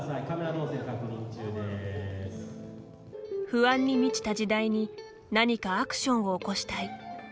不安に満ちた時代に何かアクションを起こしたい。